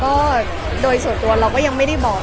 ก็โดยส่วนตัวเราก็ยังไม่ได้บอก